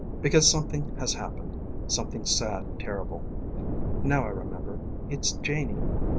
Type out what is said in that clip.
┬Ā┬ĀBecause something has happenedŌĆ" ┬Ā┬Āsomething sad and terribleŌĆ". ┬Ā┬ĀNow I rememberŌĆ" it's Janie.